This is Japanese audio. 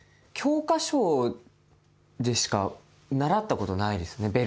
教科書でしか習ったことないですね